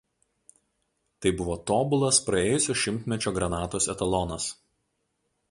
Tai buvo tobulas praėjusio šimtmečio granatos etalonas.